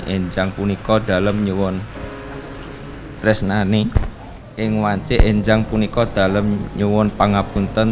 injang puniko dalam nyewon tresnani yang wajib injang puniko dalam nyewon pangapunten